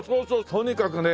とにかくね